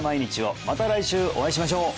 また来週お会いしましょう！